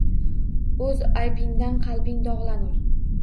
O’z aybingdan qalbing dog’lanur.